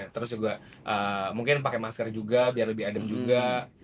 terus juga mungkin pakai masker juga biar lebih adem juga